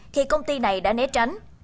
thì công ty này đã né tránh